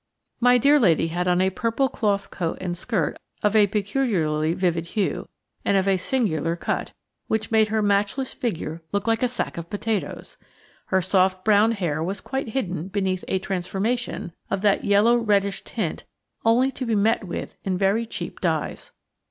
My dear lady had on a purple cloth coat and skirt of a peculiarly vivid hue, and of a singular cut, which made her matchless figure look like a sack of potatoes. Her soft brown hair was quite hidden beneath a "transformation," of that yellow reddish tint only to be met with in very cheap dyes.